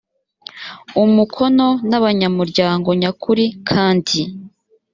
umukono n abanyamuryango nyakuri kandi